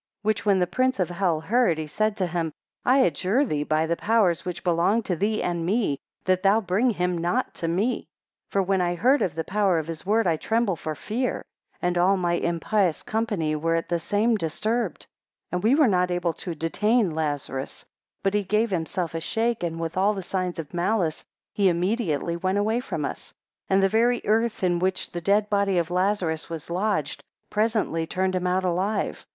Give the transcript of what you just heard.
16 Which when the prince of hell heard, he said to him, I adjure thee by the powers which belong to thee and me, that thou bring him not to me. 17 For when I heard of the power of his word, I trembled for fear, and all my impious company were at the same disturbed; 18 And we were not able to detain Lazarus, but he gave himself a shake, and with all the signs of malice he immediately went away from us; and the very earth, in which the dead body of Lazarus was lodged, presently turned him out alive.